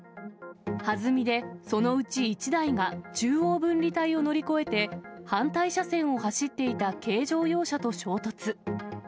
はずみでそのうち１台が中央分離帯を乗り越えて、反対車線を走っていた軽乗用車と衝突。